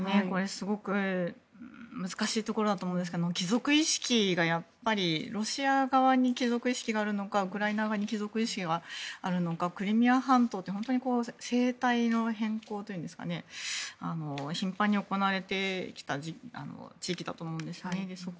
すごく難しいところだと思うんですがロシア側に帰属意識があるのかウクライナ側に帰属意識があるのかクリミア半島って政体の変更というんですかね頻繁に行われてきた地域だと思うんです。